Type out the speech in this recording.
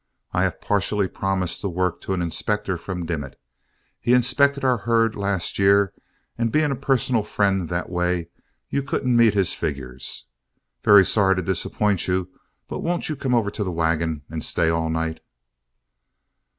I have partially promised the work to an inspector from Dimmit. He inspected our herd last year, and being a personal friend that way, you couldn't meet his figures. Very sorry to disappoint you, but won't you come over to the wagon and stay all night?"